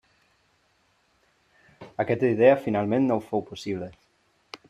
Aquesta idea finalment no fou possible.